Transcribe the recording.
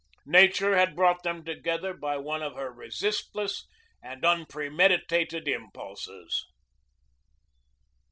Nature had brought them together by one of her resistless and unpremeditated impulses.